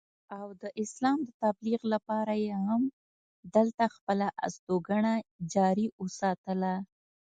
او د اسلام د تبليغ دپاره ئې هم دلته خپله استوګنه جاري اوساتله